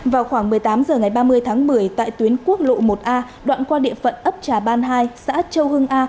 vào khoảng một mươi tám h ngày ba mươi tháng một mươi tại tuyến quốc lộ một a đoạn qua địa phận ấp trà ban hai xã châu hưng a